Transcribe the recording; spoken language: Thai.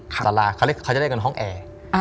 เค้าจะเรียกว่าห้องแอ